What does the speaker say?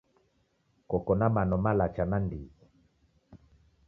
Koko na mano malacha nandighi.